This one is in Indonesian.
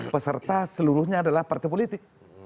peserta seluruhnya adalah partai politik